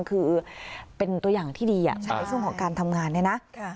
คือเป็นตัวอย่างที่ดีในส่วนของการทำงาน